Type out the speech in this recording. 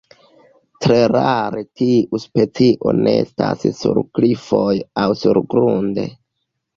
Tre rare tiu specio nestas sur klifoj aŭ surgrunde.